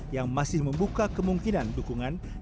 yang masih membuka kemungkinan dukungan ganjar pranowo